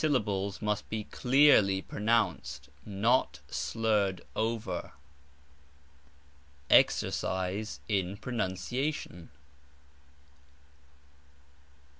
All the syllables must be clearly pronounced, not slurred over. EXERCISE IN PRONOUNCIATION.